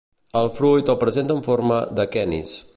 El fruit el presenta en forma d'aquenis.